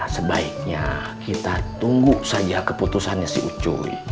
sebaiknya kita tunggu saja keputusannya si ucoi